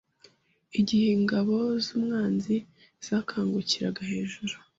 Igihe ingabo z’umwanzi zakangukiraga hejuru